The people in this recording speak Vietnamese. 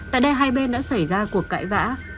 tại đây hai bên đã xảy ra cuộc cãi vã